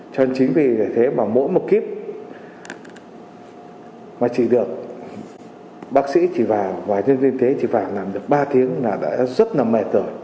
cho nên chính vì thế mà mỗi một kiếp mà chỉ được bác sĩ chỉ vào và nhân viên thế chỉ vào làm được ba tiếng là đã rất là mệt rồi